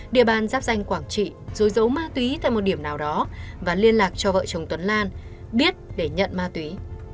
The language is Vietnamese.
địa bàn giáp danh quảng trị dối ma túy tại một điểm nào đó và liên lạc cho vợ chồng tuấn lan biết để nhận ma túy